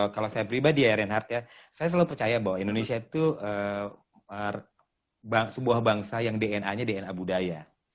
kalau saya pribadi ya reinhardt ya saya selalu percaya bahwa indonesia itu sebuah bangsa yang dna nya dna budaya